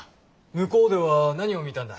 向こうでは何を見たんだ？